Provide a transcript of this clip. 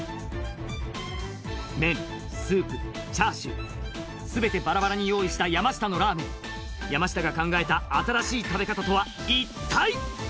麺スープチャーシュー全てバラバラに用意した山下のラーメン山下が考えた新しい食べ方とはいったい？